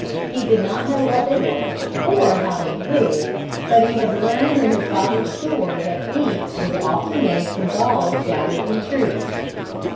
He did not know what they were, or how they grew, but he had learned in his father's store that ink was often made from galls gathered from trees.